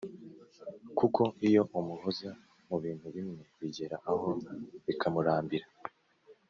kuko iyo umuhoza mu bintu bimwe bigera aho bikamurambira